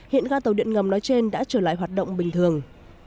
hiện ga tàu điện ngầm nói trên đã trở lại hoạt động bình thường